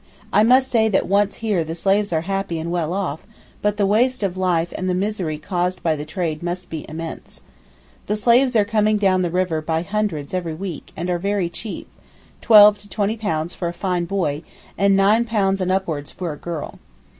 I must say that once here the slaves are happy and well off, but the waste of life and the misery caused by the trade must be immense. The slaves are coming down the river by hundreds every week, and are very cheap—twelve to twenty pounds for a fine boy, and nine pounds and upwards for a girl.